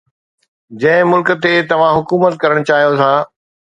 جنهن ملڪ تي توهان حڪومت ڪرڻ چاهيو ٿا